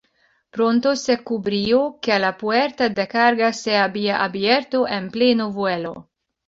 Pronto se descubrió que la puerta de carga se había abierto en pleno vuelo.